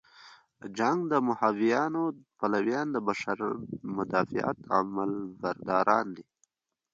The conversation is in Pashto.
د جنګ د مهابیانیو پلویان د بشر مدافعت علمبرداران دي.